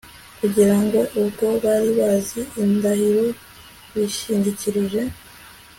kugira ngo ubwo bari bazi indahiro bishingikirije